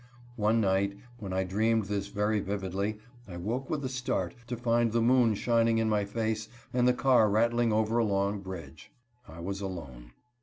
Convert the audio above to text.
One night, when I dreamed this very vividly, I woke with a start to find the moon shining in my face, and the car rattling over a long bridge. I was alone.